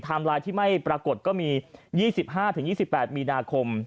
ไลน์ที่ไม่ปรากฏก็มี๒๕๒๘มีนาคม